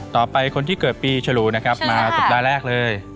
คนที่เกิดปีฉลูนะครับมาสัปดาห์แรกเลย